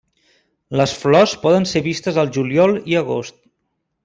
Les flors poden ser vistes al juliol i agost.